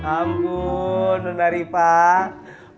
ampun nona rifai